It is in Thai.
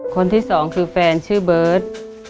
คนที่สองคือแฟนชื่อเบิร์ต